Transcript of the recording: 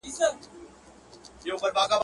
خدای راکړي تېزي سترگي غټ منگول دئ.